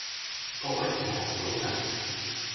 各位同學早晨